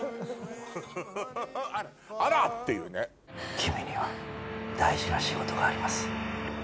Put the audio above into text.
君には大事な仕事があります。